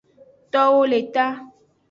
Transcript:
Towo le ta.